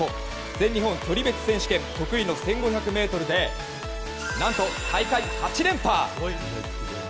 全日本距離別選手権得意の１５００ｍで何と大会８連覇。